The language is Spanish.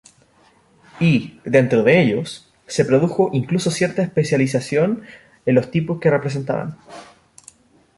Y, dentro de ellos, se produjo incluso cierta especialización en los tipos que representaban.